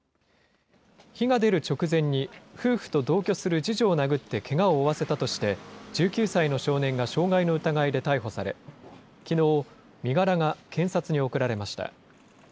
火が出る直前に、夫婦と同居する次女を殴ってけがを負わせたとして、１９歳の少年が傷害の疑いで逮捕され、きのう、身柄が検察に送られました。